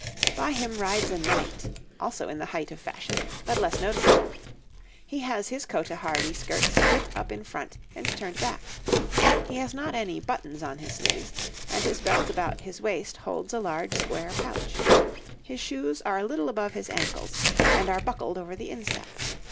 By him rides a knight, also in the height of fashion, but less noticeable: he has his cotehardie skirt split up in front and turned back; he has not any buttons on his sleeves, and his belt about his waist holds a large square pouch; his shoes are a little above his ankles, and are buckled over the instep.